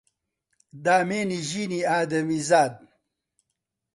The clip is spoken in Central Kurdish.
دامێنی ژینی ئادەمیزاد